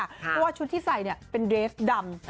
เพราะว่าชุดที่ใส่เป็นเดรฟดำ